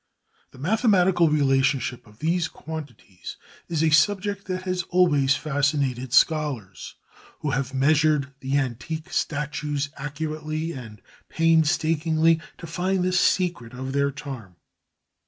The mathematical relationship of these quantities is a subject that has always fascinated scholars, who have measured the antique statues accurately and painstakingly to find the secret of their charm.